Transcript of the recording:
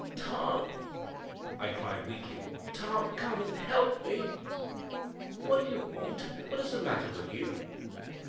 "Tom," I cried weakly, "Tom, come and help me!" "What do you want? what is the matter with you?"